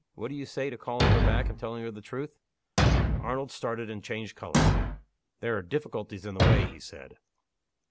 What do you say to calling her back and telling her the truth?" Arnold started, and changed color. "There are difficulties in the way," he said.